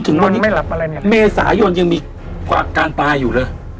ถึงวันนี้เมษายนยังมีความอาการตายอยู่นะ